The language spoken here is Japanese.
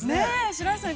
◆白石さん